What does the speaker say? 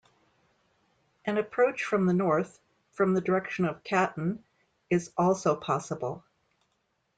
An approach from the north, from the direction of Caton, is also possible.